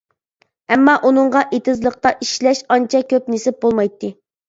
ئەمما ئۇنىڭغا ئېتىزلىقتا ئىشلەش ئانچە كۆپ نېسىپ بولمايتتى.